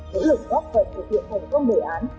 nỗ lực góp phần thực hiện thành công đề án